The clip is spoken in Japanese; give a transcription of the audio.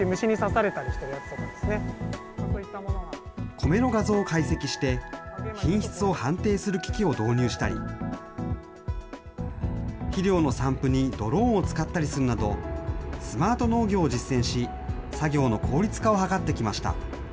コメの画像を解析して、品質を判定する機器を導入したり、肥料の散布にドローンを使ったりするなど、スマート農業を実践し、作業の効率化を図ってきました。